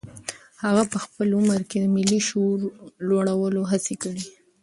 هغه په خپل عمر کې د ملي شعور لوړولو هڅې کړي.